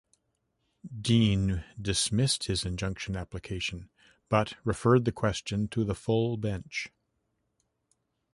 Deane dismissed his injunction application, but referred the question to the full bench.